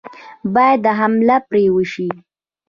باید حمله پرې وشي.